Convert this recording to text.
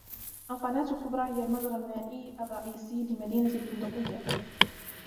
القناة الكُبرى هي المجرى المائي الرئيسي لمدينة البندقية.